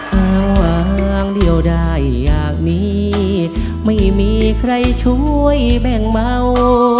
หาวางเดียวได้อย่างนี้ไม่มีใครช่วยแบ่งเบา